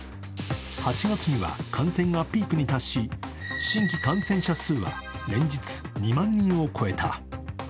８月には感染がピークに達し新規感染者は連日、２万人を超えた。